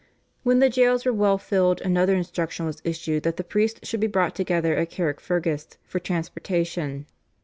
When the jails were well filled, another instruction was issued that the priests should be brought together at Carrickfergus for transportation.